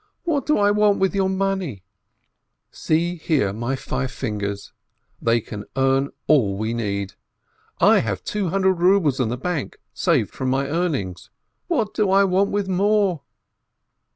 What do I want with your money? See here, my 503 ASCH five fingers, they can earn all we need. I have two hundred rubles in the bank, saved from my earnings. What do I want with more?"